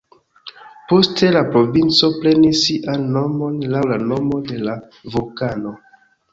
Poste la provinco prenis sian nomon laŭ la nomo de la vulkano.